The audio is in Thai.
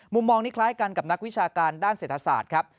มุมมองนี้คล้ายกันกับนักวิชาการด้านเศรษฐศาสตร์ครับ